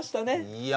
いや